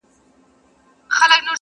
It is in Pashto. o لوى ئې پر کور کوي، کوچنی ئې پر بېبان!